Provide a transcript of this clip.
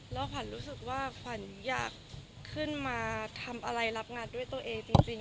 แล้วขวัญรู้สึกว่าขวัญอยากขึ้นมาทำอะไรรับงานด้วยตัวเองจริง